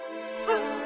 うん。